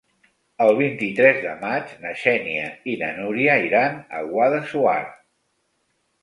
El vint-i-tres de maig na Xènia i na Núria iran a Guadassuar.